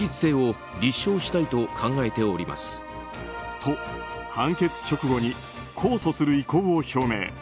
と、判決直後に控訴する意向を表明。